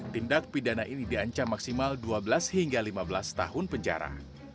tindak pidana ini diancam maksimal dua belas hingga lima belas tahun penjara